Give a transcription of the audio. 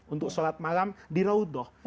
untuk sholat malam di raudah